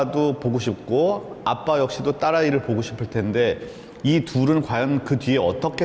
dan saya juga ingin menonton anak anak ini